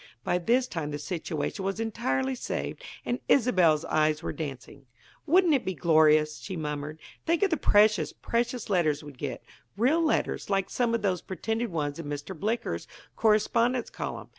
By this time the situation was entirely saved and Isobel's eyes were dancing. "Wouldn't it be glorious?" she murmured. "Think of the precious, precious letters we'd get; real letters like some of those pretended ones in Mr. Blicker's correspondence column.